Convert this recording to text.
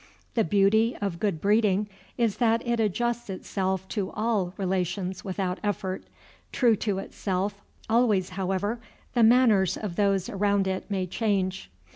The beauty of good breeding is that it adjusts itself to all relations without effort, true to itself always however the manners of those around it may change.